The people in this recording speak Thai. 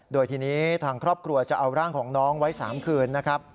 โดยทีนี้ทางครอบครัวจะเอาร่างของน้องไว้๓คืนนะครับ